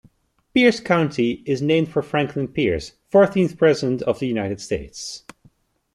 Pierce County is named for Franklin Pierce, fourteenth President of the United States.